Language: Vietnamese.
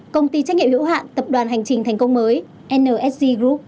công ty trách nhiệm hiểu hạn tập đoàn hành trình thành công mới nsg group